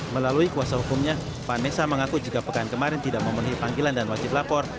melalui kuasa hukumnya vanessa mengaku jika pekan kemarin tidak memenuhi panggilan dan wajib lapor